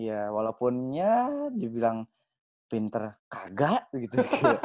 iya walaupun ya dibilang pinter kaga gitu